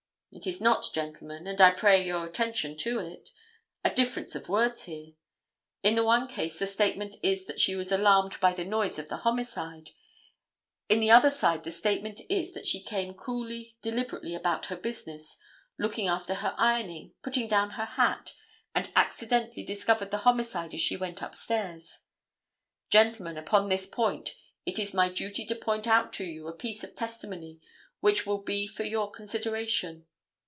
It is not, gentlemen, and I pray your attention to it, a difference of words here. In the one case the statement is that she was alarmed by the noise of the homicide. In the other side the statement is that she came coolly, deliberately about her business, looking after her ironing, putting down her hat, and accidentally discovered the homicide as she went upstairs. Gentlemen, upon this point it is my duty to point out to you a piece of testimony which will be for your consideration.